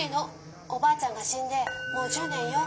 おばあちゃんがしんでもう１０年よ。